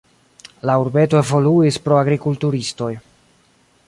La urbeto evoluis pro agrikulturistoj.